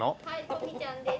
とみちゃんです。